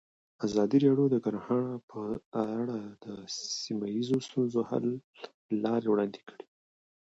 ازادي راډیو د کرهنه په اړه د سیمه ییزو ستونزو حل لارې راوړاندې کړې.